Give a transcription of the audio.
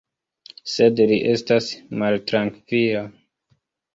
Sed li estas maltrankvila.